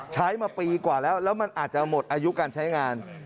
ใช้มาปีกว่าแล้วแล้วมันอาจจะหมดอายุการใช้งาน